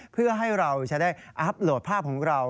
เพื่อให้เราจะได้อัพโหลดภาพของเรา